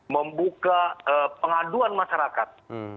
membuka pengaduan masyarakat